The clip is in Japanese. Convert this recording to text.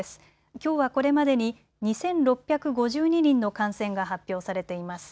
きょうはこれまでに２６５２人の感染が発表されています。